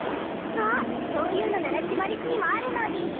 あそういうのならシマリスにもあるのでぃす。